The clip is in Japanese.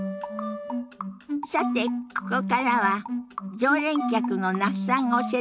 さてここからは常連客の那須さんが教えてくださるんですって。